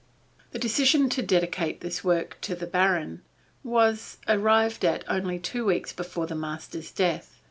The decision to dedicate this work to the Baron, was arrived at only two weeks before the master's death.